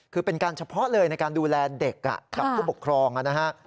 คือเป็นการเฉพาะเลยในการดูแลเด็กกับผู้ปกครองนะฮะ